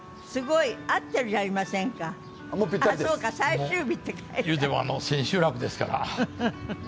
いうても千秋楽ですから。